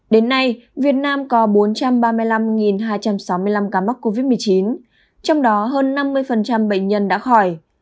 đến nay việt nam có bốn trăm ba mươi năm hai trăm sáu mươi năm ca mắc covid một mươi chín trong đó hơn năm mươi bệnh nhân đã khỏi